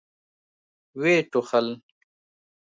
ويې ټوخل.